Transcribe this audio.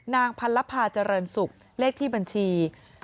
นางพันลภาจรรย์สุขเลขที่บัญชี๖๙๒๐๒๑๑๗๓๔